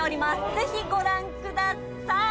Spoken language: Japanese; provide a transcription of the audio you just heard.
ぜひご覧ください